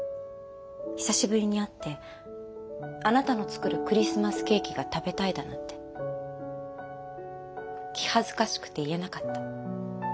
久しぶりに会ってあなたの作るクリスマスケーキが食べたいだなんて気恥ずかしくて言えなかった。